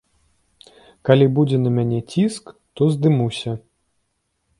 Калі будзе на мяне ціск, то здымуся.